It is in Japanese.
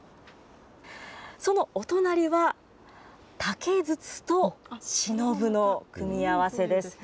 そのお隣は、竹筒とシノブの組み合わせです。